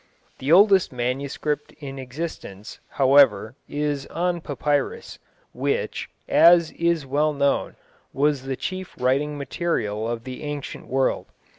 The oldest manuscript in existence, however, is on papyrus, which, as is well known, was the chief writing material of the ancient world.